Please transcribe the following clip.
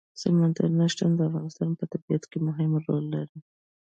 سمندر نه شتون د افغانستان په طبیعت کې مهم رول لري.